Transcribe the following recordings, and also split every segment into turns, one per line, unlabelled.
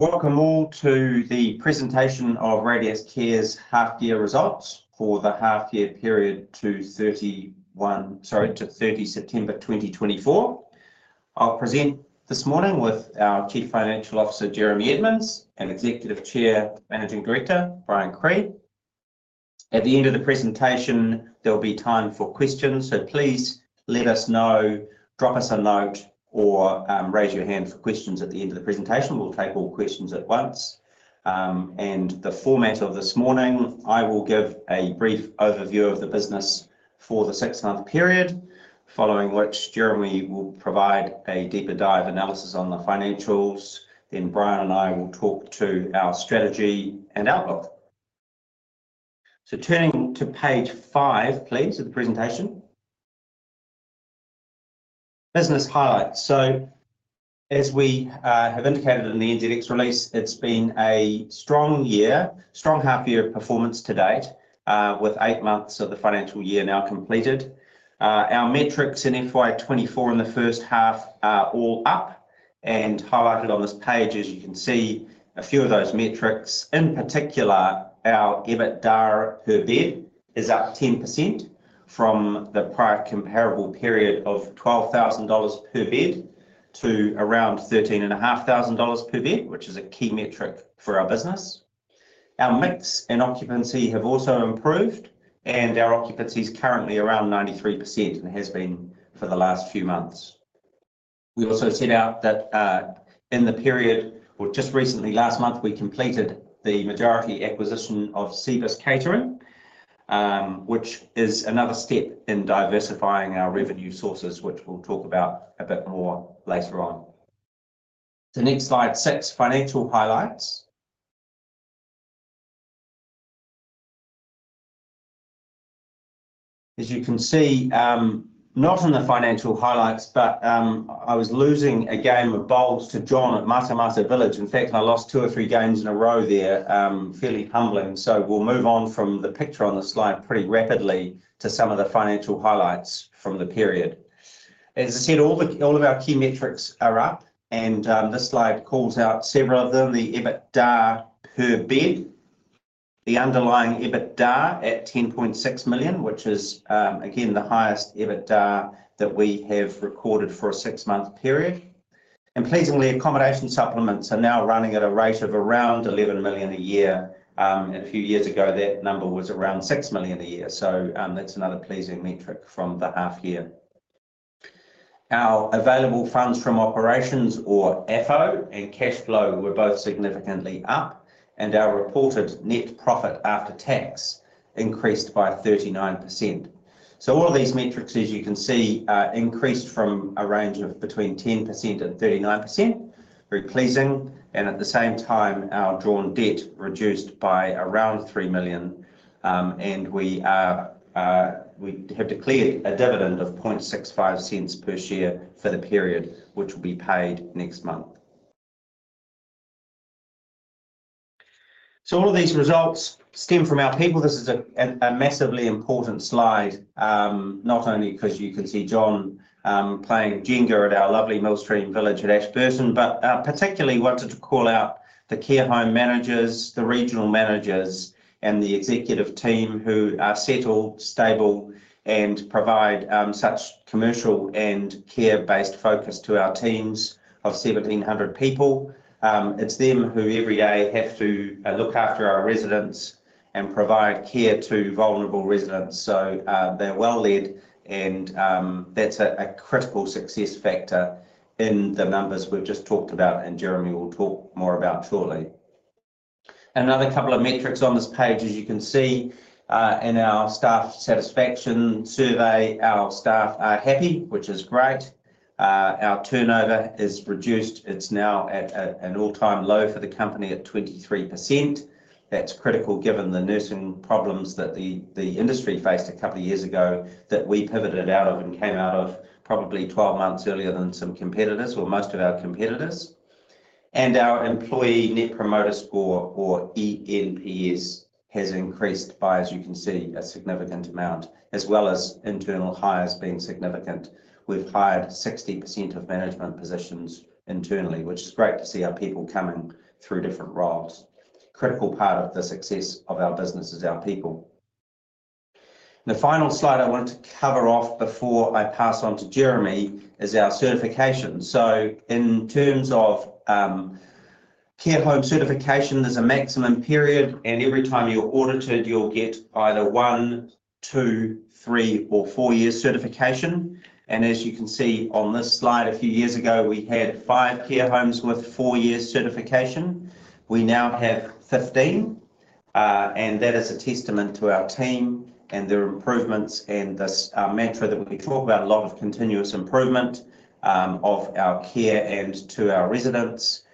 Welcome all to the presentation of Radius Care's half-year results for the half-year period to 30 September 2024. I'll present this morning with our Chief Financial Officer, Jeremy Edmonds, and Executive Chair, Managing Director, Brien Cree. At the end of the presentation, there'll be time for questions, so please let us know, drop us a note, or raise your hand for questions at the end of the presentation. We'll take all questions at once. And the format of this morning: I will give a brief overview of the business for the six-month period, following which Jeremy will provide a deeper dive analysis on the financials. Then Brien and I will talk to our strategy and outlook. So turning to page five, please, of the presentation. Business highlights. So as we have indicated in the NZX release, it's been a strong year, strong half-year performance to date, with eight months of the financial year now completed. Our metrics in FY24 and the first half are all up, and highlighted on this page, as you can see, a few of those metrics. In particular, our EBITDA per bed is up 10% from the prior comparable period of $12,000 per bed to around $13,500 per bed, which is a key metric for our business. Our mix and occupancy have also improved, and our occupancy is currently around 93% and has been for the last few months. We also set out that in the period, well, just recently, last month, we completed the majority acquisition of Cibus Catering, which is another step in diversifying our revenue sources, which we'll talk about a bit more later on. So next slide, six financial highlights. As you can see, not in the financial highlights, but I was losing a game of bowls to John at Matamata Village. In fact, I lost two or three games in a row there, fairly humbling. So we'll move on from the picture on the slide pretty rapidly to some of the financial highlights from the period. As I said, all of our key metrics are up, and this slide calls out several of them: the EBITDA per bed, the underlying EBITDA at 10.6 million, which is, again, the highest EBITDA that we have recorded for a six-month period. And pleasingly, accommodation supplements are now running at a rate of around 11 million a year. A few years ago, that number was around 6 million a year. So that's another pleasing metric from the half-year. Our available funds from operations, or AFO, and cash flow were both significantly up, and our reported net profit after tax increased by 39%. So all of these metrics, as you can see, increased from a range of between 10% and 39%, very pleasing. And at the same time, our drawn debt reduced by around 3 million, and we have declared a dividend of 0.0065 per share for the period, which will be paid next month. So all of these results stem from our people. This is a massively important slide, not only because you can see John playing Jenga at our lovely Millstream Village at Ashburton, but I particularly wanted to call out the care home managers, the regional managers, and the executive team who are settled, stable, and provide such commercial and care-based focus to our teams of 1,700 people. It's them who every day have to look after our residents and provide care to vulnerable residents. So they're well-led, and that's a critical success factor in the numbers we've just talked about, and Jeremy will talk more about shortly. And another couple of metrics on this page, as you can see in our staff satisfaction survey, our staff are happy, which is great. Our turnover is reduced. It's now at an all-time low for the company at 23%. That's critical given the nursing problems that the industry faced a couple of years ago that we pivoted out of and came out of probably 12 months earlier than some competitors, or most of our competitors. And our employee net promoter score, or ENPS, has increased by, as you can see, a significant amount, as well as internal hires being significant. We've hired 60% of management positions internally, which is great to see our people coming through different roles. A critical part of the success of our business is our people. The final slide I want to cover off before I pass on to Jeremy is our certification, so in terms of care home certification, there's a maximum period, and every time you're audited, you'll get either one, two, three, or four-year certification, and as you can see on this slide, a few years ago, we had five care homes with four-year certification. We now have 15, and that is a testament to our team and their improvements and this mantra that we talk about a lot of continuous improvement of our care and to our residents.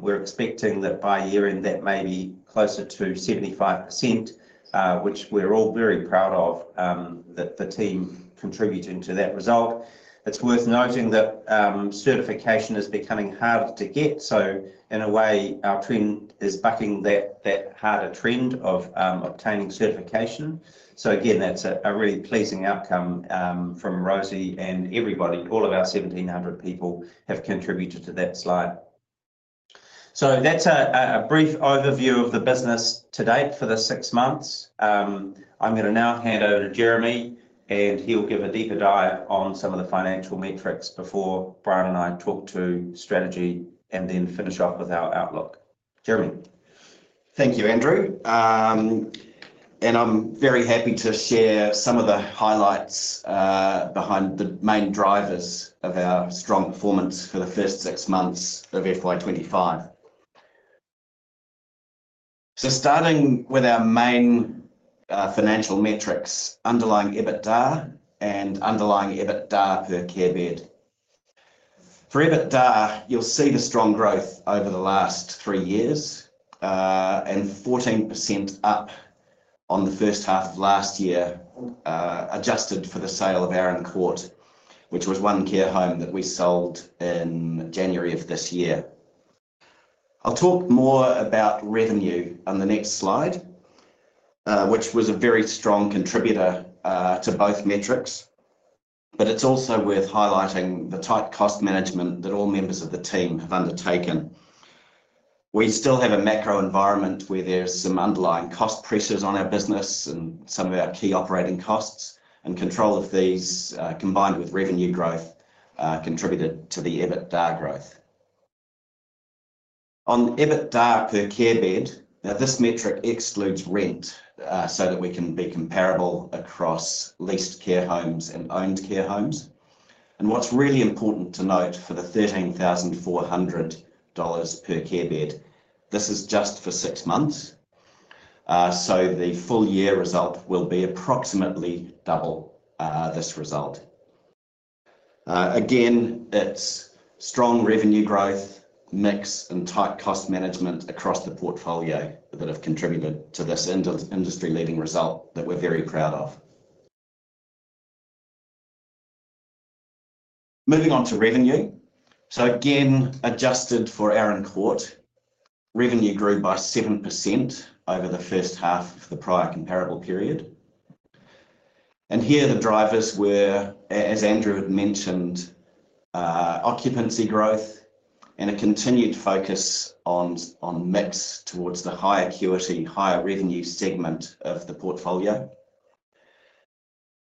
We're expecting that by year-end, that may be closer to 75%, which we're all very proud of, that the team contributing to that result. It's worth noting that certification is becoming harder to get. So in a way, our trend is bucking that harder trend of obtaining certification. So again, that's a really pleasing outcome from Rosie and everybody. All of our 1,700 people have contributed to that slide. So that's a brief overview of the business to date for the six months. I'm going to now hand over to Jeremy, and he'll give a deeper dive on some of the financial metrics before Brien and I talk to strategy and then finish off with our outlook. Jeremy.
Thank you, Andrew. And I'm very happy to share some of the highlights behind the main drivers of our strong performance for the first six months of FY25. So starting with our main financial metrics, underlying EBITDA and underlying EBITDA per care bed. For EBITDA, you'll see the strong growth over the last three years and 14% up on the first half of last year, adjusted for the sale of Arran Court, which was one care home that we sold in January of this year. I'll talk more about revenue on the next slide, which was a very strong contributor to both metrics, but it's also worth highlighting the tight cost management that all members of the team have undertaken. We still have a macro environment where there's some underlying cost pressures on our business and some of our key operating costs, and control of these, combined with revenue growth, contributed to the EBITDA growth. On EBITDA per care bed, now this metric excludes rent so that we can be comparable across leased care homes and owned care homes, and what's really important to note for the 13,400 dollars per care bed, this is just for six months, so the full-year result will be approximately double this result. Again, it's strong revenue growth, mix, and tight cost management across the portfolio that have contributed to this industry-leading result that we're very proud of. Moving on to revenue, so again, adjusted for Arran Court, revenue grew by 7% over the first half of the prior comparable period. And here, the drivers were, as Andrew had mentioned, occupancy growth and a continued focus on mix towards the higher acuity, higher revenue segment of the portfolio.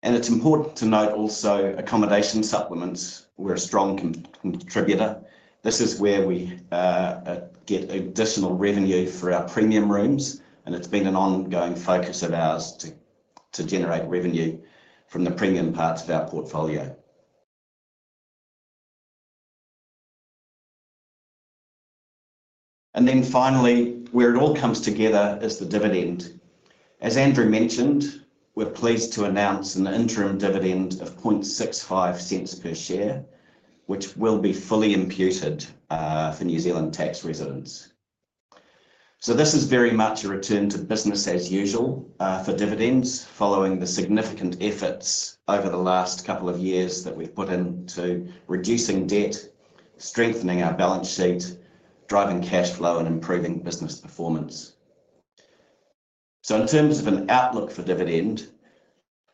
It's important to note also accommodation supplements were a strong contributor. This is where we get additional revenue for our premium rooms, and it's been an ongoing focus of ours to generate revenue from the premium parts of our portfolio. Then finally, where it all comes together is the dividend. As Andrew mentioned, we're pleased to announce an interim dividend of 0.0065 per share, which will be fully imputed for New Zealand tax residents. This is very much a return to business as usual for dividends, following the significant efforts over the last couple of years that we've put into reducing debt, strengthening our balance sheet, driving cash flow, and improving business performance. So in terms of an outlook for dividend,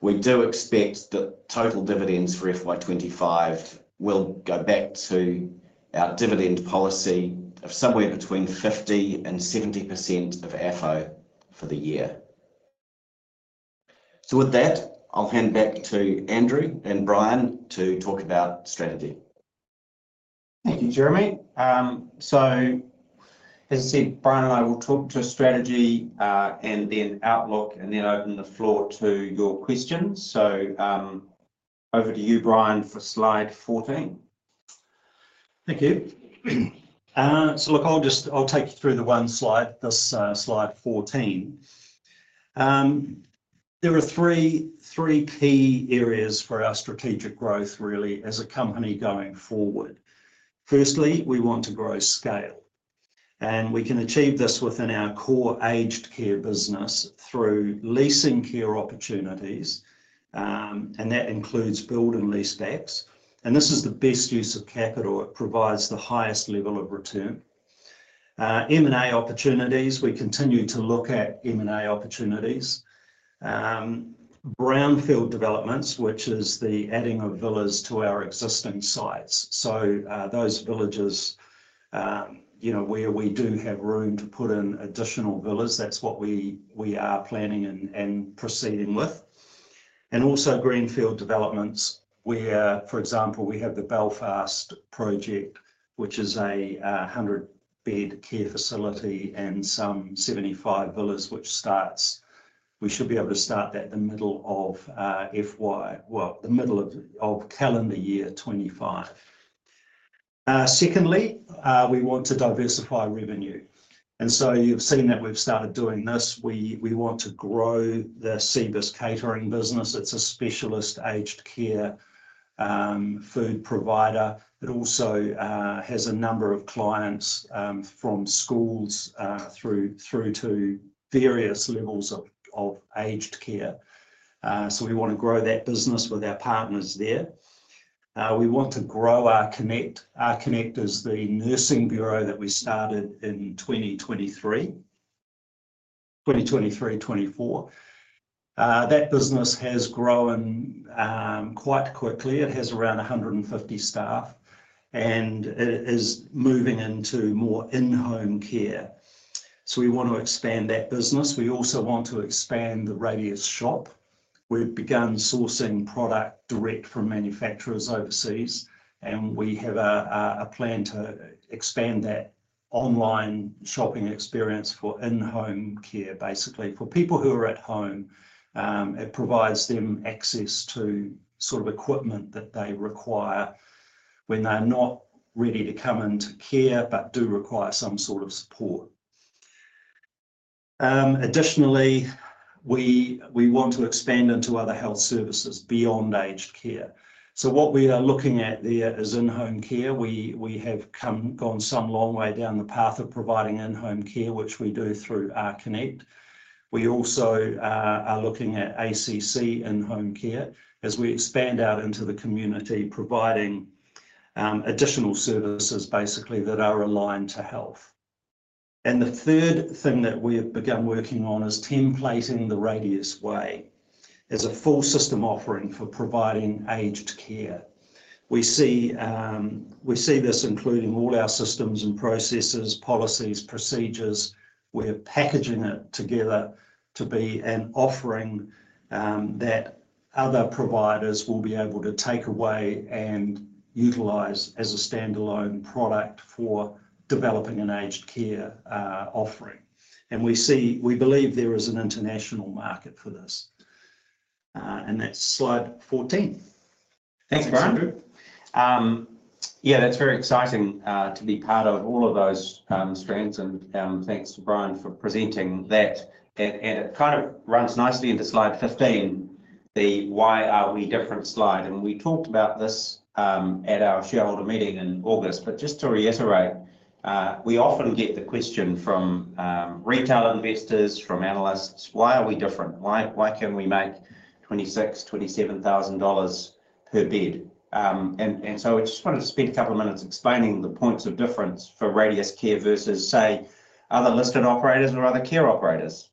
we do expect that total dividends for FY 2025 will go back to our dividend policy of somewhere between 50%-70% of AFO for the year. So with that, I'll hand back to Andrew and Brien to talk about strategy.
Thank you, Jeremy. So as I said, Brien and I will talk to strategy and then outlook, and then open the floor to your questions. So over to you, Brien, for slide 14.
Thank you. So look, I'll just take you through the one slide, this slide 14. There are three key areas for our strategic growth, really, as a company going forward. Firstly, we want to grow scale, and we can achieve this within our core aged care business through leasing care opportunities, and that includes building lease-backs. And this is the best use of capital. It provides the highest level of return. M&A opportunities, we continue to look at M&A opportunities. Brownfield developments, which is the adding of villas to our existing sites. So those villages where we do have room to put in additional villas, that's what we are planning and proceeding with. And also greenfield developments, where, for example, we have the Belfast project, which is a 100-bed care facility and some 75 villas, which starts. We should be able to start that the middle of FY, well, the middle of calendar year 2025. Secondly, we want to diversify revenue. And so you've seen that we've started doing this. We want to grow the Cibus Catering business. It's a specialist aged care food provider that also has a number of clients from schools through to various levels of aged care. So we want to grow that business with our partners there. We want to grow our Connect. Our Connect is the nursing bureau that we started in 2023, 2023, 2024. That business has grown quite quickly. It has around 150 staff, and it is moving into more in-home care. So we want to expand that business. We also want to expand the Radius Shop. We've begun sourcing product direct from manufacturers overseas, and we have a plan to expand that online shopping experience for in-home care, basically. For people who are at home, it provides them access to sort of equipment that they require when they're not ready to come into care but do require some sort of support. Additionally, we want to expand into other health services beyond aged care. So what we are looking at there is in-home care. We have gone some long way down the path of providing in-home care, which we do through our Connect. We also are looking at ACC in-home care as we expand out into the community, providing additional services, basically, that are aligned to health. And the third thing that we have begun working on is templating the Radius Way as a full-system offering for providing aged care. We see this including all our systems and processes, policies, procedures. We're packaging it together to be an offering that other providers will be able to take away and utilize as a standalone product for developing an aged care offering. And we believe there is an international market for this. And that's slide 14.
Thanks, Brien. Yeah, that's very exciting to be part of all of those strengths. And thanks to Brien for presenting that. And it kind of runs nicely into slide 15, the "Why are we different?" slide. And we talked about this at our shareholder meeting in August. But just to reiterate, we often get the question from retail investors, from analysts, "Why are we different? Why can we make 26,000, 27,000 dollars per bed?" And so we just wanted to spend a couple of minutes explaining the points of difference for Radius Care versus, say, other listed operators or other care operators.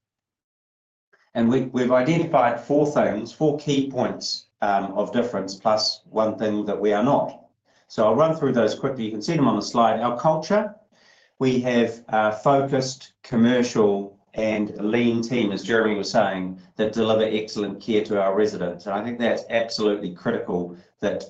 And we've identified four things, four key points of difference, plus one thing that we are not. So I'll run through those quickly. You can see them on the slide. Our culture, we have focused commercial and lean teams, as Jeremy was saying, that deliver excellent care to our residents. And I think that's absolutely critical that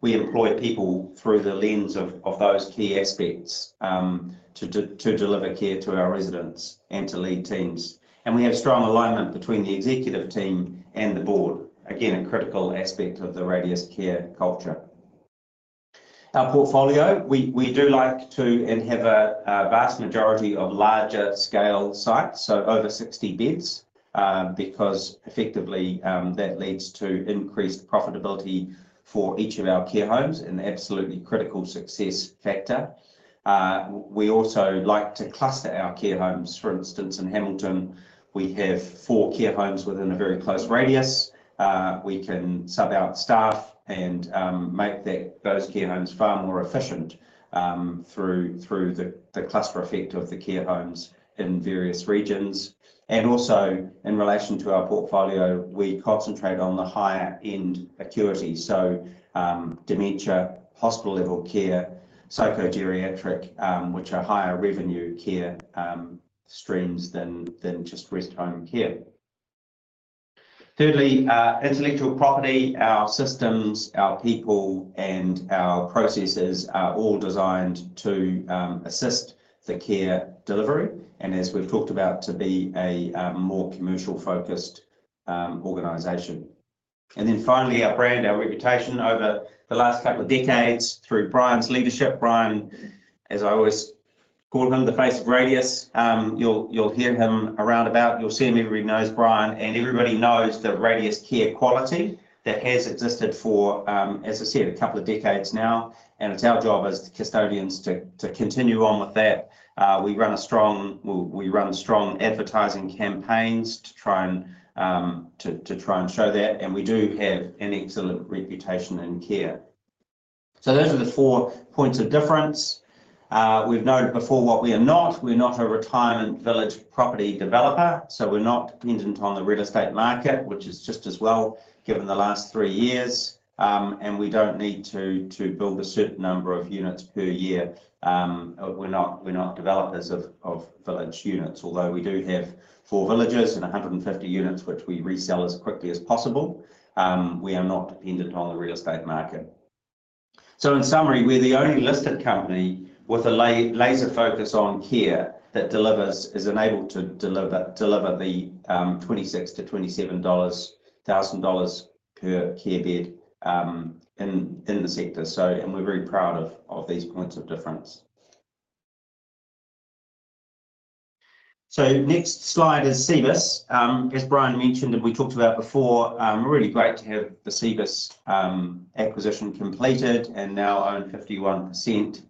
we employ people through the lens of those key aspects to deliver care to our residents and to lead teams. And we have strong alignment between the executive team and the board. Again, a critical aspect of the Radius Care culture. Our portfolio, we do like to have a vast majority of larger-scale sites, so over 60 beds, because effectively that leads to increased profitability for each of our care homes and an absolutely critical success factor. We also like to cluster our care homes. For instance, in Hamilton, we have four care homes within a very close radius. We can sub out staff and make those care homes far more efficient through the cluster effect of the care homes in various regions. And also, in relation to our portfolio, we concentrate on the higher-end acuity, so dementia, hospital-level care, psychogeriatric, which are higher-revenue care streams than just rest home care. Thirdly, intellectual property. Our systems, our people, and our processes are all designed to assist the care delivery. And as we've talked about, to be a more commercial-focused organization. And then finally, our brand, our reputation over the last couple of decades through Brien's leadership. Brien, as I always call him, the face of Radius. You'll hear him around about. You'll see him. Everybody knows Brien. And everybody knows the Radius Care quality that has existed for, as I said, a couple of decades now. And it's our job as the custodians to continue on with that. We run strong advertising campaigns to try and show that. And we do have an excellent reputation in care. Those are the four points of difference. We've noted before what we are not. We're not a retirement village property developer. We're not dependent on the real estate market, which is just as well given the last three years. We don't need to build a certain number of units per year. We're not developers of village units, although we do have four villages and 150 units, which we resell as quickly as possible. We are not dependent on the real estate market. In summary, we're the only listed company with a laser focus on care that is unable to deliver the 26,000-27,000 dollars per care bed in the sector. We're very proud of these points of difference. Next slide is Cibus. As Brien mentioned and we talked about before, we're really glad to have the Cibus acquisition completed and now own 51%.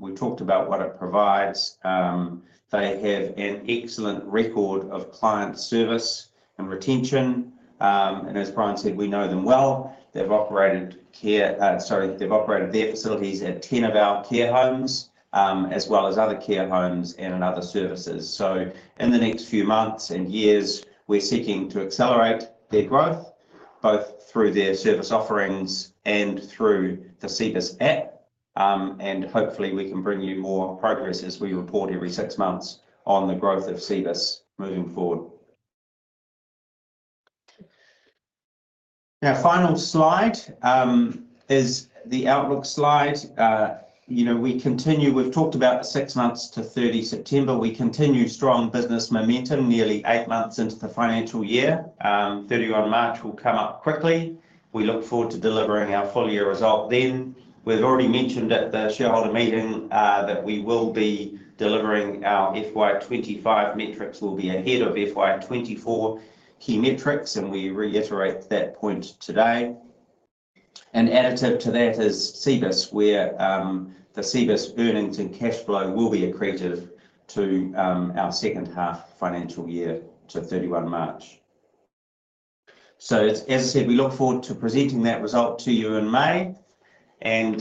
We talked about what it provides. They have an excellent record of client service and retention, and as Brien said, we know them well. They've operated their facilities at 10 of our care homes, as well as other care homes and other services, so in the next few months and years, we're seeking to accelerate their growth, both through their service offerings and through the Cibus app, and hopefully, we can bring you more progress as we report every six months on the growth of Cibus moving forward. Now, final slide is the outlook slide. We've talked about the six months to 30 September. We continue strong business momentum nearly eight months into the financial year. 31 March will come up quickly. We look forward to delivering our full-year result then. We've already mentioned at the shareholder meeting that we will be delivering our FY25 metrics. We'll be ahead of FY24 key metrics, and we reiterate that point today. And additive to that is Cibus, where the Cibus earnings and cash flow will be accretive to our second half financial year to 31 March. So as I said, we look forward to presenting that result to you in May. And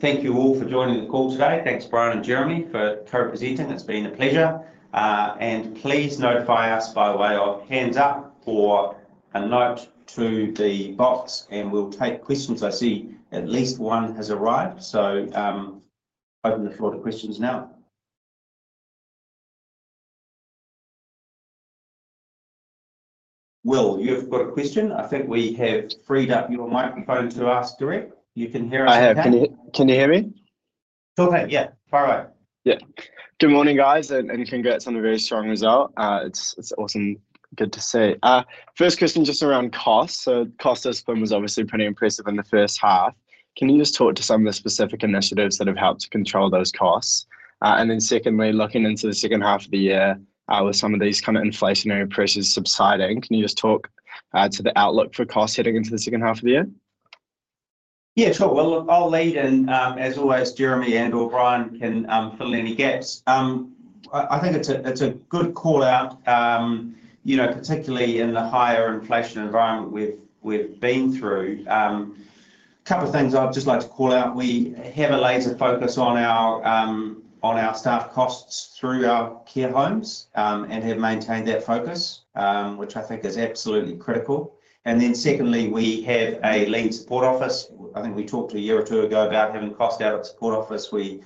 thank you all for joining the call today. Thanks, Brien and Jeremy, for co-presenting. It's been a pleasure. And please notify us by way of hands up or a note to the box, and we'll take questions. I see at least one has arrived. So open the floor to questions now. Will, you've got a question? I think we have freed up your microphone to ask direct. You can hear us. I have. Can you hear me? Okay. Yeah. Far away. Yeah. Good morning, guys, and congrats on a very strong result. It's awesome. Good to see. First question just around costs. So cost discipline was obviously pretty impressive in the first half. Can you just talk to some of the specific initiatives that have helped to control those costs? And then secondly, looking into the second half of the year with some of these kind of inflationary pressures subsiding, can you just talk to the outlook for costs heading into the second half of the year? Yeah. Sure, well, I'll lead, and as always, Jeremy and/or Brien can fill any gaps. I think it's a good call out, particularly in the higher inflation environment we've been through. A couple of things I'd just like to call out. We have a laser focus on our staff costs through our care homes and have maintained that focus, which I think is absolutely critical, and then secondly, we have a lean support office. I think we talked a year or two ago about having cost out at support office. We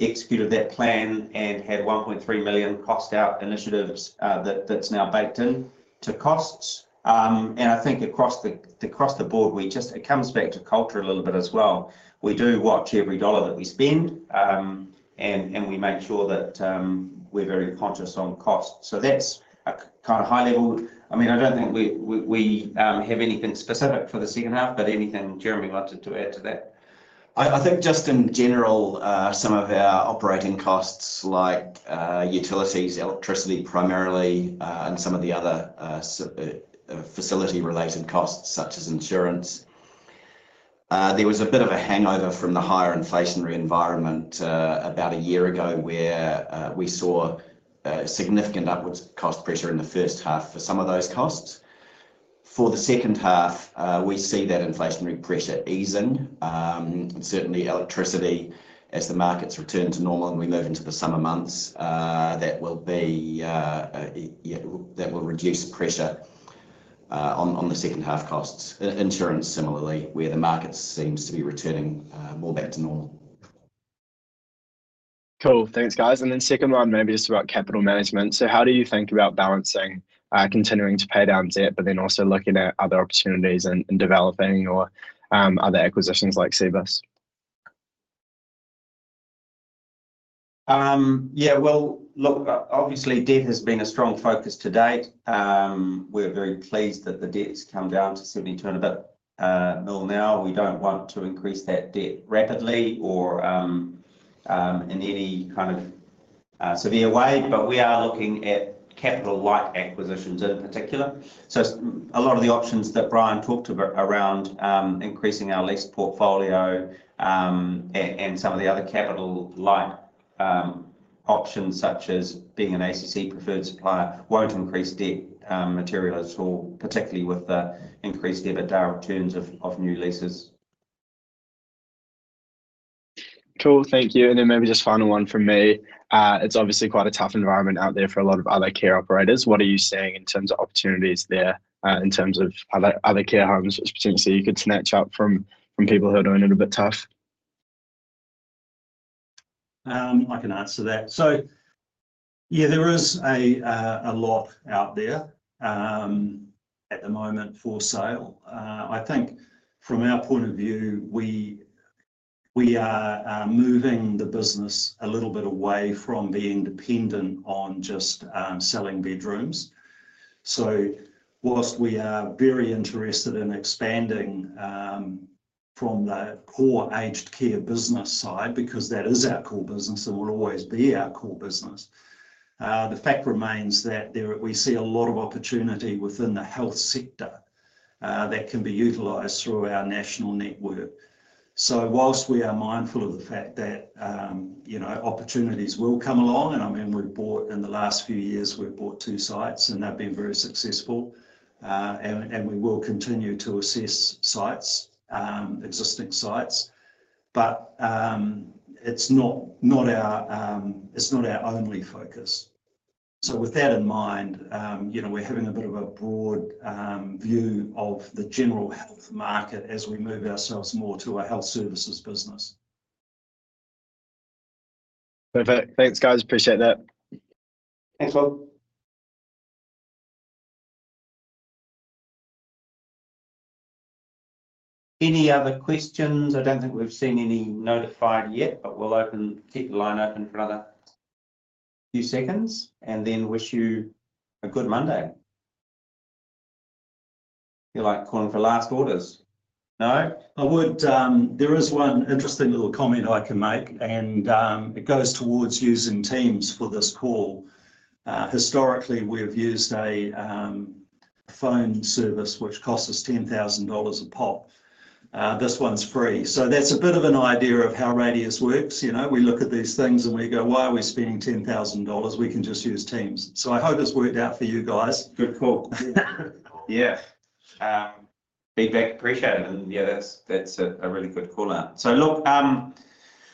executed that plan and had 1.3 million cost out initiatives that's now baked into costs. And I think across the board, it comes back to culture a little bit as well. We do watch every dollar that we spend, and we make sure that we're very conscious on costs. So that's a kind of high level. I mean, I don't think we have anything specific for the second half, but anything Jeremy wanted to add to that?
I think just in general, some of our operating costs like utilities, electricity primarily, and some of the other facility-related costs such as insurance. There was a bit of a hangover from the higher inflationary environment about a year ago where we saw significant upward cost pressure in the first half for some of those costs. For the second half, we see that inflationary pressure easing. Certainly, electricity, as the markets return to normal and we move into the summer months, that will reduce pressure on the second half costs. Insurance, similarly, where the market seems to be returning more back to normal. Cool. Thanks, guys. And then second one, maybe just about capital management. So how do you think about balancing continuing to pay down debt, but then also looking at other opportunities and developing or other acquisitions like Cibus?
Yeah. Well, look, obviously, debt has been a strong focus to date. We're very pleased that the debt's come down to 72 and a bit more now. We don't want to increase that debt rapidly or in any kind of severe way. But we are looking at capital-like acquisitions in particular. So a lot of the options that Brien talked about around increasing our lease portfolio and some of the other capital-like options, such as being an ACC preferred supplier, won't increase debt material at all, particularly with the increased EBITDA returns of new leases. Cool. Thank you, and then maybe just final one from me. It's obviously quite a tough environment out there for a lot of other care operators. What are you seeing in terms of opportunities there in terms of other care homes that potentially you could snatch up from people who are doing it a bit tough? I can answer that. So yeah, there is a lot out there at the moment for sale. I think from our point of view, we are moving the business a little bit away from being dependent on just selling bedrooms. So whilst we are very interested in expanding from the core aged care business side, because that is our core business and will always be our core business, the fact remains that we see a lot of opportunity within the health sector that can be utilized through our national network. So whilst we are mindful of the fact that opportunities will come along, and I mean, in the last few years, we've bought two sites, and they've been very successful. And we will continue to assess existing sites. But it's not our only focus. With that in mind, we're having a bit of a broad view of the general health market as we move ourselves more to a health services business. Perfect. Thanks, guys. Appreciate that. Thanks, Will. Any other questions? I don't think we've seen any noted yet, but we'll keep the line open for another few seconds and then wish you a good Monday. You're calling for last orders? No?
There is one interesting little comment I can make, and it goes towards using Teams for this call. Historically, we've used a phone service which costs us 10,000 dollars a pop. This one's free. So that's a bit of an idea of how Radius works. We look at these things and we go, "Why are we spending 10,000 dollars? We can just use Teams." So I hope it's worked out for you guys.
Good call.
Yeah. Feedback, appreciate it, and yeah, that's a really good call out. So look,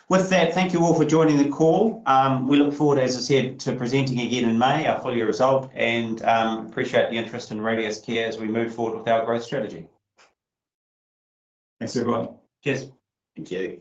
with that, thank you all for joining the call. We look forward, as I said, to presenting again in May, our full-year result, and appreciate the interest in Radius Care as we move forward with our growth strategy.
Thanks, everyone. Cheers.
Thank you.